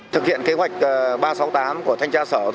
thực hiện kế hoạch ba trăm sáu mươi tám của thanh tra sở